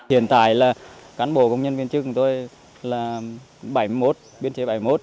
hiện tại là cán bộ công nhân viên chức của tôi là bảy mươi một biên chế bảy mươi một